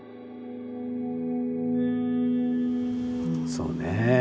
そうね。